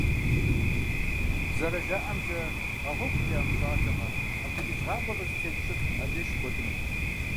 Зэрыжаӏэмкӏэ, а гъуэгур ямыщӏатэмэ, апхуэдиз гъавэ къызытекӏ щӏыр абдеж щыкӏуэдынут.